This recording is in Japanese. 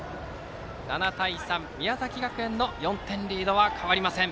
７対３、宮崎学園の４点リードは変わりません。